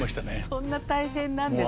そんな大変なんですね。